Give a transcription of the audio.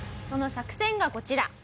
その作戦がこちら。